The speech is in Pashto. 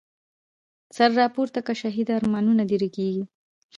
سر را پورته که شهیده، ارمانونه د رږیږی